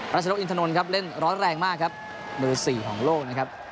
ชนกอินทนนท์ครับเล่นร้อนแรงมากครับมือสี่ของโลกนะครับ